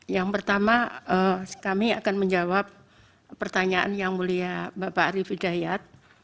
yang pertama kami akan menjawab pertanyaan yang mulia bapak arief hidayat